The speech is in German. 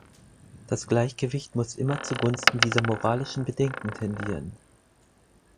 Das Gleichgewicht muss immer zugunsten dieser moralischen Bedenken tendieren.